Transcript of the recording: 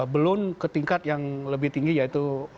belum ke tingkat yang lebih tinggi yaitu